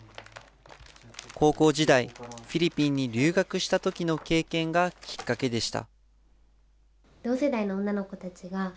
高校時代、フィリピンに留学したときの経験がきっかけでした。